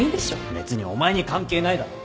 別にお前に関係ないだろ？